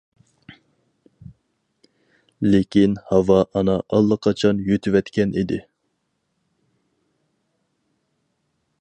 لېكىن ھاۋا ئانا ئاللىقاچان يۇتۇۋەتكەن ئىكەن.